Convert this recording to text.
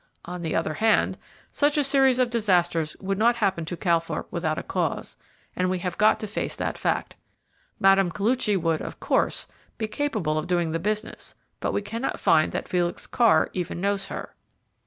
On the other hand, such a series of disasters would not happen to Calthorpe without a cause, and we have got to face that fact. Mme. Koluchy would, of course, be capable of doing the business, but we cannot find that Felix Carr even knows her."